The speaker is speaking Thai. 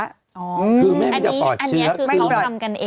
อันนี้คือเขาทำกันเอง